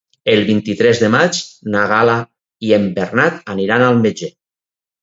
El vint-i-tres de maig na Gal·la i en Bernat aniran al metge.